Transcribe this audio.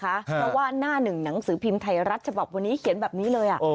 เพราะว่าหน้าหนึ่งหนังสือพิมพ์ไทยรัฐฉบับวันนี้เขียนแบบนี้เลย